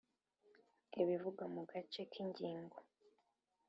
ibivugwa mu gace k ingingo